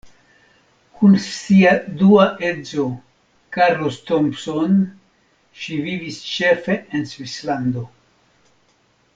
Kun sia dua edzo Carlos Thompson ŝi vivis ĉefe en Svislando.